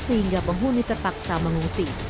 sehingga penghuni terpaksa mengungsi